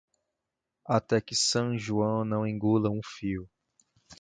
Até que San Juan não engula um fio.